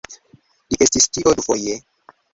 Li estis tio dufoje.